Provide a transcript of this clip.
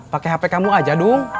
pakai hp kamu aja dong